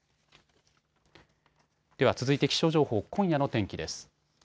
では続いて気象情報、今夜の天気です。